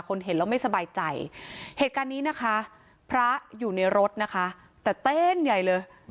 เห็นแล้วไม่สบายใจเหตุการณ์นี้นะคะพระอยู่ในรถนะคะแต่เต้นใหญ่เลย